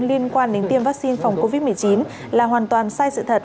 liên quan đến tiêm vaccine phòng covid một mươi chín là hoàn toàn sai sự thật